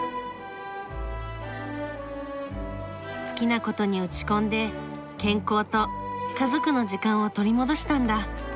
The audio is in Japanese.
好きなことに打ち込んで健康と家族の時間を取り戻したんだ。